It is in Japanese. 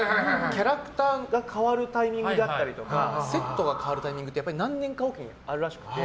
キャラクターが代わるタイミングだったりとかセットが変わるタイミングって何年かおきにあるらしくて。